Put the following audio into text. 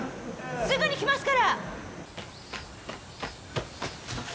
すぐに来ますから！